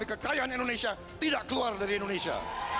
kekayaan indonesia tidak keluar dari indonesia